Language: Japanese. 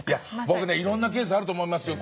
僕ねいろんなケースあると思いますよ。